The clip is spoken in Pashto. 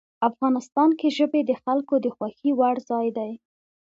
افغانستان کې ژبې د خلکو د خوښې وړ ځای دی.